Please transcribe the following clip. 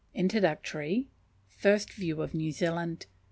Introductory. First View of New Zealand.